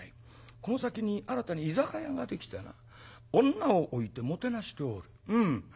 この先に新たに居酒屋ができてな女を置いてもてなしておる。